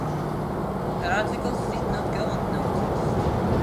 Her articles did not go unnoticed.